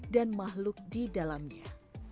dan makhluk di dalamnya